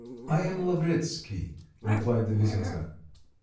"I am Lavretsky," replied the visitor.